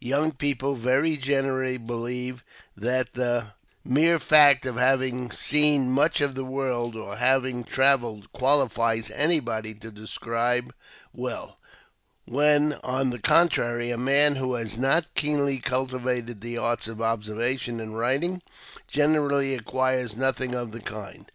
Young people very generally believe that the mere fact of having seen much of the world, or the having travelled, qualifies anybody to describe well, when, on the contrary, a man who has not keenly cultivated the arts of observation and writing, generally acquires nothing of the kind.